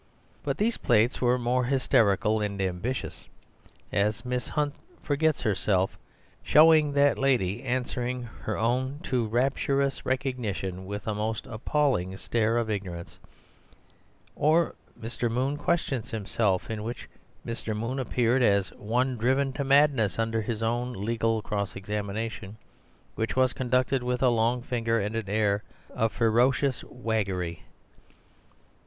But these plates were more hysterical and ambitious—as, "Miss Hunt forgets Herself," showing that lady answering her own too rapturous recognition with a most appalling stare of ignorance; or "Mr. Moon questions Himself," in which Mr. Moon appeared as one driven to madness under his own legal cross examination, which was conducted with a long forefinger and an air of ferocious waggery.